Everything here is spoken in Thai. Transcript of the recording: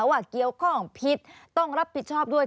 ว่าเกี่ยวข้องผิดต้องรับผิดชอบด้วย